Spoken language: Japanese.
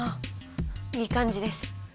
いい感じです。